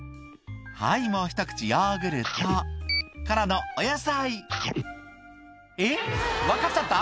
はいもうひと口ヨーグルト」「からのお野菜」「えっ分かっちゃった？」